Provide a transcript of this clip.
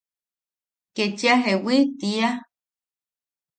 Kechia jeewi tiia.